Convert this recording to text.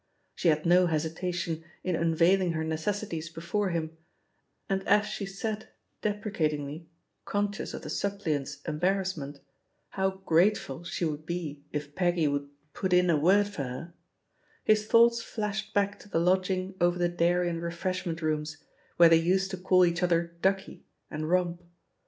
She had no hesitation in unveiling her necessities before him, and as she said deprecatingly, conscious of the suppli ant's embarrassment, how "grateful" she would be if Peggy would "put in a word for her/' his thoughts flashed back to the lodging over the dairy and refreshment rooms, where they used to call each other "ducky," and romp.